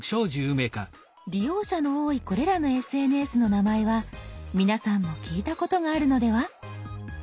利用者の多いこれらのＳＮＳの名前は皆さんも聞いたことがあるのでは？